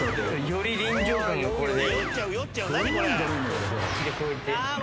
より臨場感がこれで。